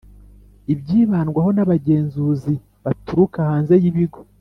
ibyibandwaho n’abagenzuzi baturuka hanze y’ibigo